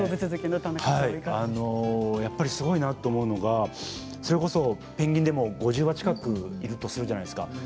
やっぱりすごいなと思うのはそれこそペンギンでも５０羽近くいるとするじゃないですか。